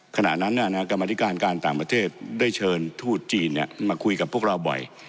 ขณะนั้นกรรมธิการการต่างประเทศได้เชิญทูตจีนมาคุยกับพวกเราบ่อย